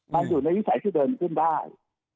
มันอยู่ในวิสัยที่เดินขึ้นได้